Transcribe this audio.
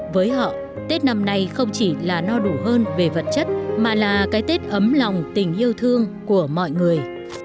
với họ tết năm nay không chỉ là no đủ hơn về vật chất mà là cái tết ấm lòng tình yêu thương của mọi người